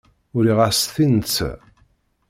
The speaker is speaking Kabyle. Uriɣ-as-t i netta.